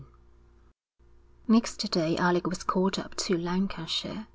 XVII Next day Alec was called up to Lancashire.